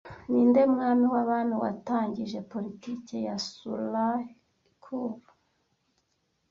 Ninde Mwami w'abami watangije politiki ya Sulah-i-kul